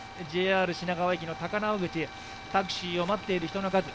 ＪＲ品川駅の高輪口、タクシーを待っている人の数